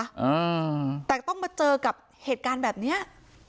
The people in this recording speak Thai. อ่าแต่ต้องมาเจอกับเหตุการณ์แบบเนี้ย